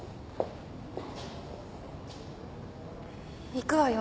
行くわよ。